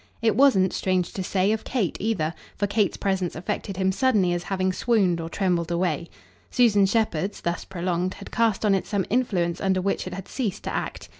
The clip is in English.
It wasn't, strange to say, of Kate either, for Kate's presence affected him suddenly as having swooned or trembled away. Susan Shepherd's, thus prolonged, had cast on it some influence under which it had ceased to act.